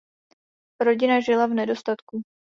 Rodina žila v nedostatku.